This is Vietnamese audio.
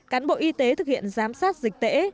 cán bộ y tế thực hiện giám sát dịch tễ